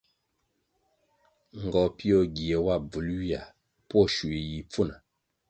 Ngohpio ngie wa bvul ywia pwo shui yi pfuna.